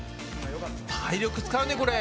体力使うねこれ！